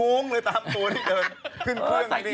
กรีบง้วงเลยตามตัวนี้เดี๋ยวขึ้นเครื่องนี้